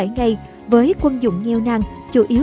bốn mươi bảy ngày với quân dụng nghèo nàng chủ yếu